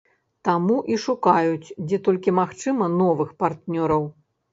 Таму і шукаюць, дзе толькі магчыма, новых партнёраў.